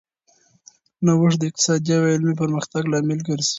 نوښت د اقتصادي او علمي پرمختګ لامل ګرځي.